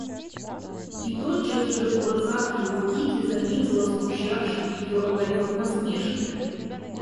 И тотчас же в глазах его Кити заметила смущавший её огонек насмешки.